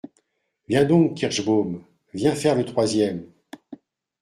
Viens donc, Kirschbaum, viens faire le troisième !